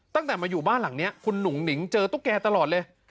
ตั้งแต่มาอยู่บ้านหลังนี้คุณหนุ่งหนิงเจอตุ๊กแกตลอดเลย